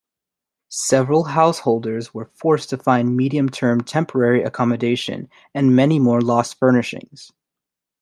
Several householders were forced to find medium-term temporary accommodation, and many more lost furnishings.